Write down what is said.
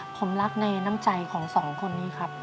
ผมรักในน้ำใจของสองคนนี้ครับ